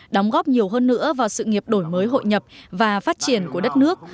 đóng góp nhiều hơn nữa vào sự nghiệp đổi mới hội nhập và phát triển của đất nước